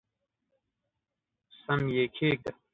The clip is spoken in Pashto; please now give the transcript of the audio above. سم یې کښېږده !